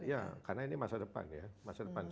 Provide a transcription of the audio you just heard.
ya karena ini masa depan ya